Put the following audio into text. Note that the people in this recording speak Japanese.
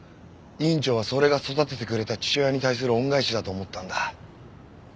院長はそれが育ててくれた父親に対する恩返しだと思ったんだ。